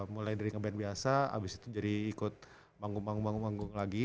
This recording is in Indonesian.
mulai dari ngeband biasa abis itu jadi ikut manggung manggung lagi